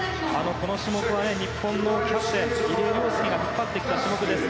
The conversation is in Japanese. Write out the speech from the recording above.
この種目は日本のキャプテン入江陵介が引っ張ってきた種目です。